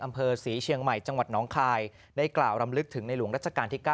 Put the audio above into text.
อำเภอศรีเชียงใหม่จังหวัดน้องคายได้กล่าวรำลึกถึงในหลวงรัชกาลที่๙